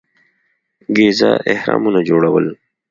ګیزا اهرامونه جوړول.